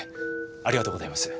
ありがとうございます。